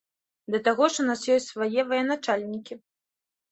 Да таго ж у нас ёсць свае военачальнікі.